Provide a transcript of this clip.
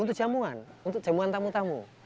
untuk jamuan untuk jamuan tamu tamu